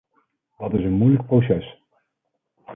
Dat is een moeilijk proces.